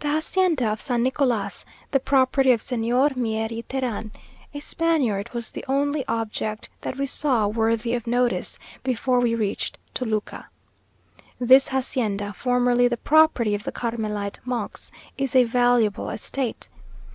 The hacienda of San Nicolas, the property of Señor Mier y Teran, a Spaniard, was the only object that we saw worthy of notice, before we reached Toluca. This hacienda, formerly the property of the Carmelite monks, is a valuable estate.